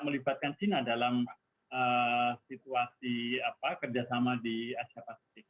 melibatkan china dalam situasi kerjasama di asia pasifik